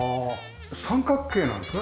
三角形なんですか？